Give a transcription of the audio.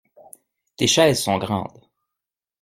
Tes chaises sont grandes.